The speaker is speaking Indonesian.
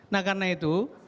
nah karena itu